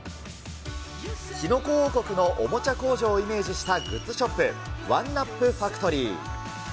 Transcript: キノコ王国のおもちゃ工場をイメージしたグッズショップ、ワンナップ・ファクトリー。